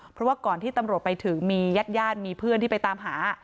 เพราะว่าก่อนที่ตำรวจไปถึงมีญาติญาติมีเพื่อนที่ไปตามหา